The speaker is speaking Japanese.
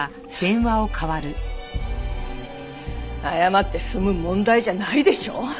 謝って済む問題じゃないでしょ！